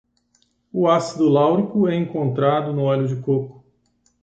O ácido láurico é encontrado no óleo de coco